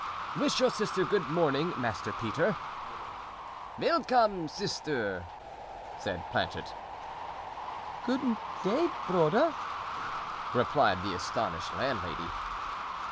"Wish your sister good morning, Master Peter." "Wilkom, suster," said Planchet. "Goeden day, broder," replied the astonished landlady.